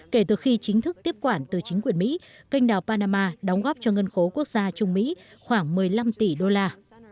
kể từ khi chính thức tiếp quản từ chính quyền mỹ kênh đảo panama đóng góp cho ngân khố quốc gia trung mỹ khoảng một mươi năm tỷ đô la